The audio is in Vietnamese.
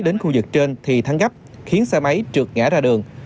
đến khu vực trên thì thắng gấp khiến xe máy trượt ngã ra đường